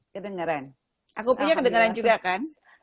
kedengeran aku punya kedengeran juga kan